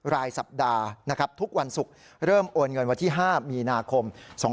รายสัปดาห์นะครับทุกวันศุกร์เริ่มโอนเงินวันที่๕มีนาคม๒๕๖๒